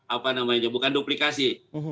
apa namanya bukan duplikasi